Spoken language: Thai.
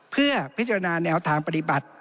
เพื่อพิจารณาแนวทางปฏิบัติ